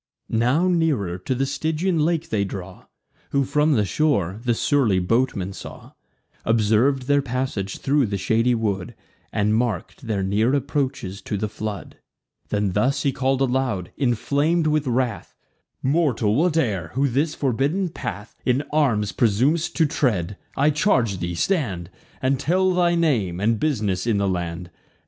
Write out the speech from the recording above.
Now nearer to the Stygian lake they draw: Whom, from the shore, the surly boatman saw; Observ'd their passage thro' the shady wood, And mark'd their near approaches to the flood. Then thus he call'd aloud, inflam'd with wrath: "Mortal, whate'er, who this forbidden path In arms presum'st to tread, I charge thee, stand, And tell thy name, and bus'ness in the land.